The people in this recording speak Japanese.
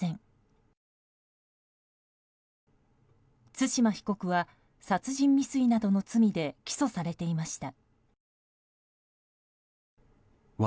対馬被告は殺人未遂などの罪で起訴されていました。